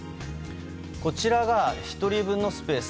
こちらが１人分のスペース。